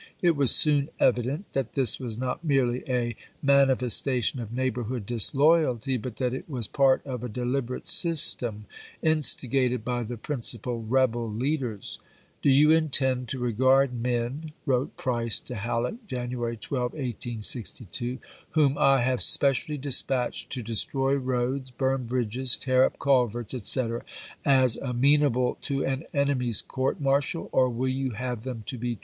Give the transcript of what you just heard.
It was soon evident that this was not merely a manifes tation of neighborhood disloyalty, but that it was part of a deliberate system instigated by the prin cipal rebel leaders. " Do you intend to regard men," 90 ABKAHAIVI LINCOLN ch u". V. wrote Price to Halleck, January 12, 1862, " whom I have specially dispatched to destroy roads, burn bridges, tear up culverts, etc., as amenable to an enemy's court martial, or will you have them to be w.